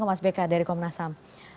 mas beka dari komnas ham